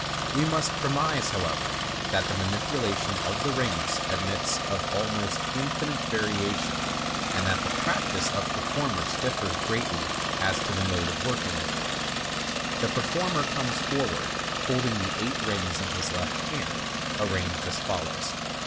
We must premise, however, that the manipulation of the rings admits of almost infinite variation, and that the practice of performers differs greatly as to the mode of working them. The performer comes forward holding the eight rings in his left hand, arranged as follows.